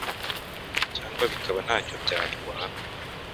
cyangwa bikaba nta cyo byatwara